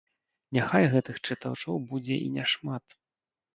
Няхай гэтых чытачоў будзе і няшмат.